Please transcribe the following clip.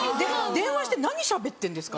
電話して何しゃべってんですか？